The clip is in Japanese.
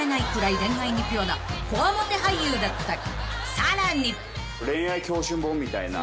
［さらに］